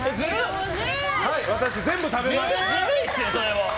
私、全部食べます。